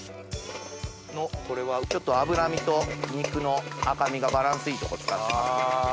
これはちょっと脂身と肉の赤身がバランスいいとこ使ってます。